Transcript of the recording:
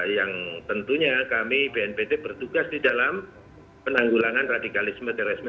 yang tentunya kami bnpt bertugas di dalam penanggulangan radikalisme terorisme